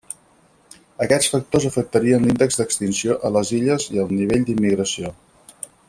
Aquests factors afectarien l'índex d'extinció a les illes i el nivell d'immigració.